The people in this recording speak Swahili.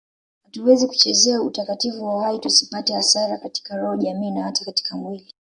Hatuwezi kuchezea utakatifu wa uhai tusipate hasara katika roho jamii na hata katika mwili